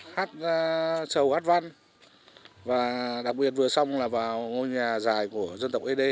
hát trầu hát văn và đặc biệt vừa xong là vào ngôi nhà dài của dân tộc ế đê